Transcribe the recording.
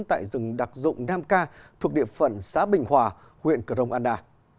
tại rừng đặc dụng nam ca thuộc địa phận xã bình hòa huyện crong anna